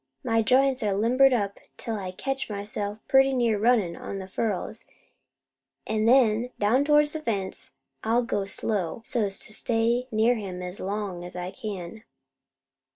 My joints are limbered up till I catch myself pretty near runnin', on the up furrow, an' then, down towards the fence, I go slow so's to stay near him as long as I can."